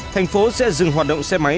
thành phố sẽ dừng hoạt động xe máy